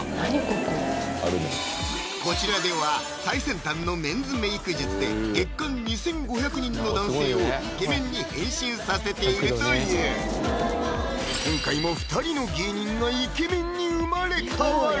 こちらでは最先端のメンズメイク術で月間２５００人の男性をイケメンに変身させているという今回も２人の芸人がイケメンに生まれ変わる！